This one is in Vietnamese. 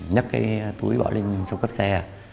nhất cái túi bỏ lên sau cấp xe